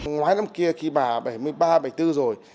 ngoái năm kia khi bà bảy mươi ba bảy mươi bốn rồi